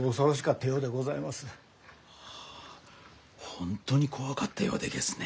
本当に怖かったようでげすね。